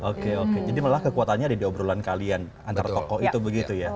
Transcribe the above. oke oke jadi malah kekuatannya ada di obrolan kalian antar tokoh itu begitu ya